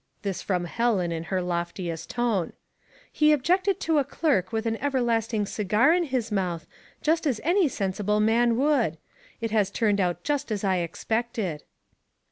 This from Helen, in her loftiest tone. " He ob jected to a clerk with an everlasting cigar in his mouth, just as any sensible man would. It has turned out just as I expected."